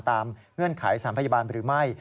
เงื่อนไขสถานพยาบาลหรือไม่